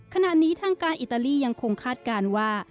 ขณะนี้ทางการอิตาลียังคงคาดการณ์ว่า